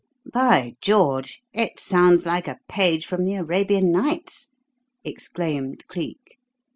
"By George! it sounds like a page from the 'Arabian Nights,'" exclaimed Cleek.